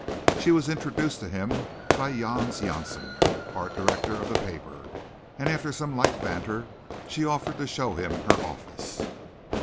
She was introduced to him by Jans Jansen, Art Director of the paper, and after some light banter she offered to show him her office.